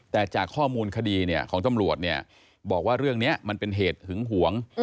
แต่จากข้อมูลคดีของตำรวจเนี่ยบอกว่าเรื่องนี้มันเป็นเหตุหึงหวง